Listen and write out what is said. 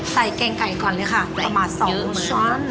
ใส่แกงไก่ก่อนเลยค่ะประมาทสองช้อน